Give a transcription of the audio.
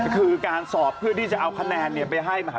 คือการสอบเพื่อที่จะเอาคะแนนไปให้มหา